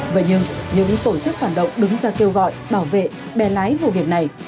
vậy nhưng những tổ chức phản động đứng ra kêu gọi bảo vệ bè lái vụ việc này